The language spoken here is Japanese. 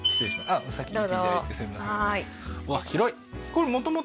あっ先行っていただいてすいません